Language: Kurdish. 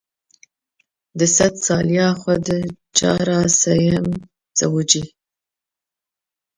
Di sed saliya xwe de cara sêyem zewicî.